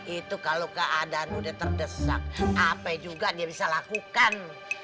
itu kalau keadaan udah terdesak apa juga dia bisa lakukan